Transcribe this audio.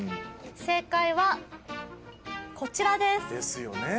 正解はこちらです。ですよね。